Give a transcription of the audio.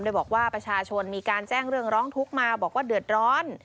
โดยบอกว่าประชาชนมีการแจ้งเรื่องร้องทุกข์มาบอกว่าเดือดร้อน